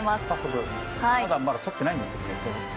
ただまだ撮ってないんですけどね